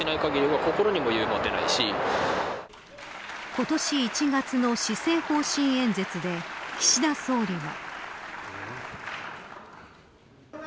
今年１月の施政方針演説で岸田総理は。